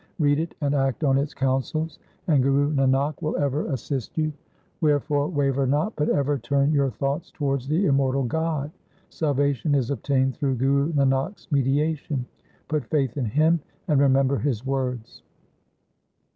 Read it and act on its counsels, and Guru Nanak will ever assist 328 THE SIKH RELIGION you. Wherefore waver not, but ever turn your thoughts towards the immortal God. Salvation is obtained through Guru Nanak's mediation. Put faith in him, and remember his words.'